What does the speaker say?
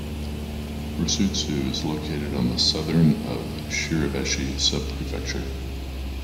Rusutsu is located on the southern of Shiribeshi Subprefecture.